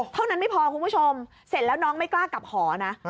เท่านั้นไม่พอคุณผู้ชมเสร็จแล้วน้องไม่กล้ากลับหอนะ